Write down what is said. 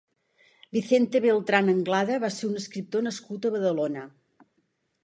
Vicente Beltrán Anglada va ser un escriptor nascut a Badalona.